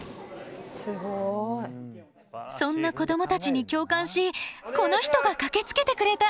そんな子どもたちに共感しこの人が駆けつけてくれた。